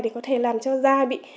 thì có thể làm cho da bị